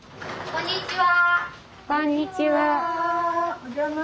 こんにちは。